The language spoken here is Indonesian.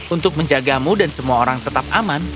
untuk menjagamu dan semua orang tetap aman